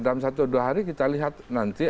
dalam satu dua hari kita lihat nanti